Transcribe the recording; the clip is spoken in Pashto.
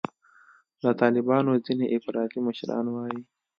د طالبانو ځیني افراطي مشران وایي